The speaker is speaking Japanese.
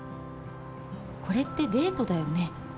これってデートだよね？